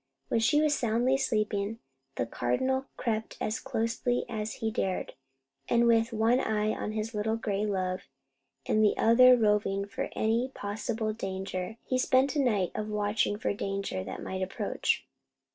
When she was soundly sleeping, the Cardinal crept as closely as he dared, and with one eye on his little gray love, and the other roving for any possible danger, he spent a night of watching for any danger that might approach.